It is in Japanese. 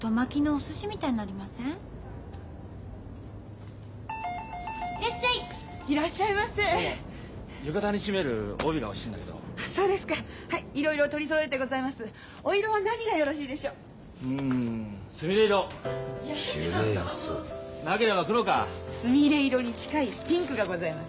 すみれ色に近いピンクがございます。